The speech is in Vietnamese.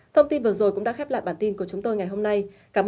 thông tin vừa rồi cũng đã khép lại bản tin của chúng tôi ngày hôm nay